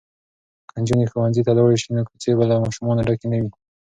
که نجونې ښوونځي ته لاړې شي نو کوڅې به له ماشومانو ډکې نه وي.